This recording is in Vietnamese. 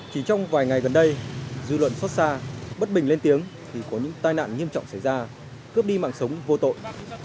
chỉ trong vài ngày gần đây dư luận xót xa bất bình lên tiếng thì có những tai nạn nghiêm trọng xảy ra cướp đi mạng sống vô tội